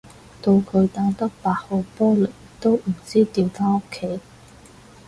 到佢打得八號波嚟都唔知點返屋企